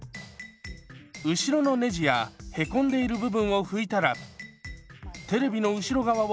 後ろのネジや凹んでいる部分を拭いたらテレビの後ろ側を半分ずつ拭きます。